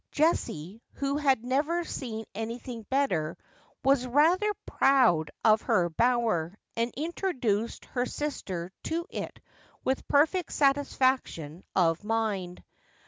Jessie, who had never seen anything better, was rather proud of her bower, and introduced her sister to it with perfect satisfaction of mind.